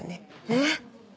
えっ！